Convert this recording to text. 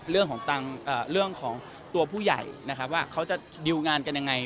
เรื่องของตัวผู้ใหญ่นะครับว่าเขาจะดิวงานกันยังไง